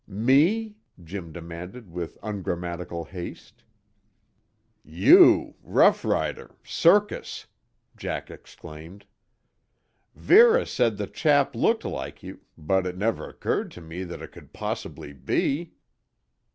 "Me?" Jim demanded with ungrammatical haste. "You rough rider circus!" Jack exclaimed. "Vera said the chap looked like you, but it never occurred to me that it could possibly be!"